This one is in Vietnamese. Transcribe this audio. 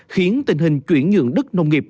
khiến tình hình chuyển nhượng đất nông nghiệp